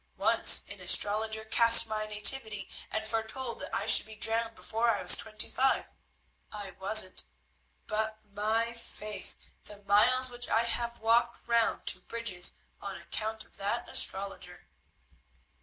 Once an astrologer cast my nativity, and foretold that I should be drowned before I was twenty five. I wasn't, but, my faith! the miles which I have walked round to bridges on account of that astrologer."